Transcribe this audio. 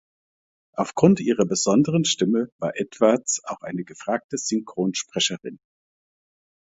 Aufgrund ihrer besonderen Stimme war Edwards auch eine gefragte Synchronsprecherin.